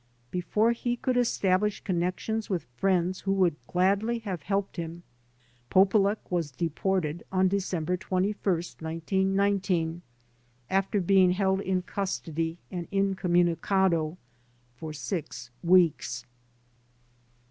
Before he could establish connections with friends who would gladly have helped him, Polulech was de ported on December 21, 1919, after having been held in custody and "incommunicado" for six weeks.